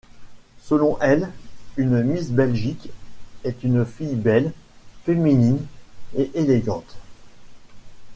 Selon elle, une Miss Belgique est une fille belle, féminine et élégante.